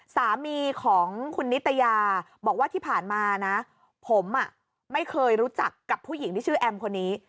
สามีของคุณนิตยาบอกว่าที่ผ่านมานะผมไม่เคยรู้จักกับผู้หญิงที่ชื่อแอมคนนี้